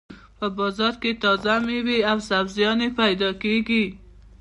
په بازار کې تازه مېوې او سبزيانې پیدا کېږي.